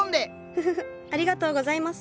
ふふふありがとうございます。